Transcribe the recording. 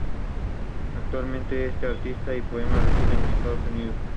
Actualmente este artista y poeta reside en los Estados Unidos.